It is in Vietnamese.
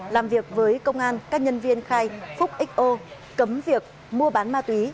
làm việc với công an các nhân viên khai phúc xo cấm việc mua bán ma túy